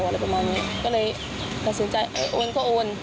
อะไรประมาณนี้ก็เลยตัดสินใจเออโอนก็โอน